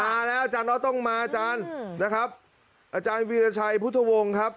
มาแล้วอาจารย์น็อตต้องมาอาจารย์นะครับอาจารย์วีรชัยพุทธวงศ์ครับ